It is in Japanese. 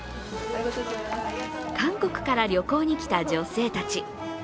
韓国から旅行に来た女性たち。